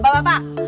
bapak bapak bapak